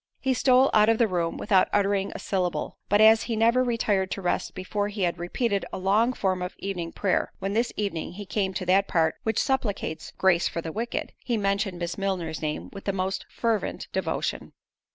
He stole out of the room without uttering a syllable—but as he never retired to rest before he had repeated a long form of evening prayer, when this evening he came to that part which supplicates "Grace for the wicked," he mentioned Miss Milner's name with the most fervent devotion.